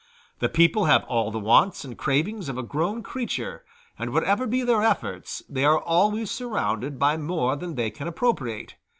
The people have all the wants and cravings of a growing creature; and whatever be their efforts, they are always surrounded by more than they can appropriate.